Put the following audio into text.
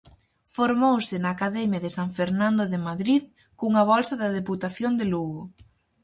Formouse na Academia de San Fernando de Madrid cunha bolsa da Deputación de Lugo.